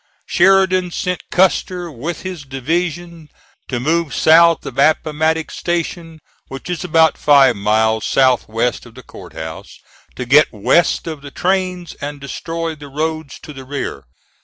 Sheridan sent Custer with his division to move south of Appomattox Station, which is about five miles south west of the Court House, to get west of the trains and destroy the roads to the rear.